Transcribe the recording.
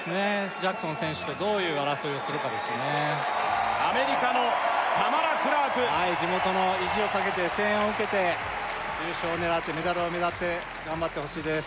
ジャクソン選手とどういう争いをするかですねアメリカのタマラ・クラークはい地元の意地をかけて声援を受けて優勝を狙ってメダルを狙って頑張ってほしいです